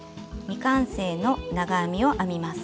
未完成の長編みを編みます。